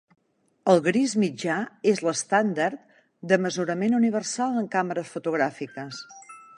El gris mitjà és l'estàndard de mesurament universal en càmeres fotogràfiques.